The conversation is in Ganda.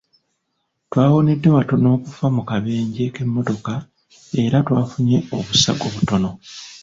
Twawonedde watono okufa mu kabenje k'emmotoka era twafunye obusago butono.